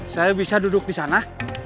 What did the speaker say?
saya bisa duduk di sana